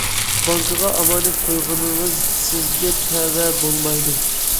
بانكىغا ئامانەت قويغىنىڭىز سىزگە تەۋە بولمايدۇ.